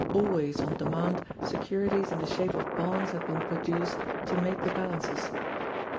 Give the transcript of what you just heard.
Always on demand securities in the shape of bonds had been produced to make the bal ances.